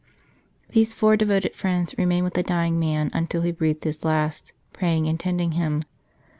These four devoted friends remained with the dying man until he breathed his last, praying and tending him.